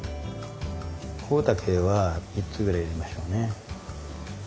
コウタケは３つぐらい入れましょうね。